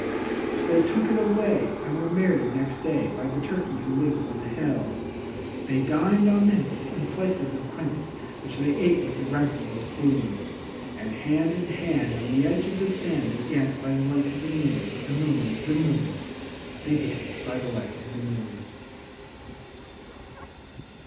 So they took it away, and were married next day By the Turkey who lives on the hill. They dined on mince and slices of quince, Which they ate with a runcible spoon; And hand in hand, on the edge of the sand, They danced by the light of the moon, The moon, The moon, They danced by the light of the moon.